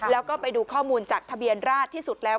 แล้วก็ไปดูข้อมูลจากทะเบียนราชที่สุดแล้ว